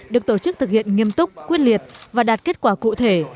được tổ chức thực hiện nghiêm túc quyết liệt và đạt kết quả cụ thể